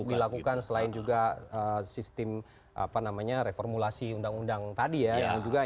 untuk dilakukan selain juga sistem reformulasi undang undang tadi ya